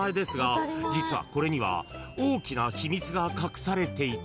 ［実はこれには大きな秘密が隠されていた］